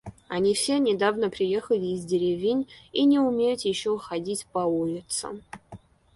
Они все недавно приехали из деревень и не умеют еще ходить по улицам.